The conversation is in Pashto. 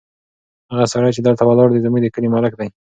هغه سړی چې دلته ولاړ دی، زموږ د کلي ملک دی.